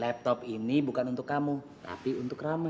laptop ini bukan untuk kamu tapi untuk ramu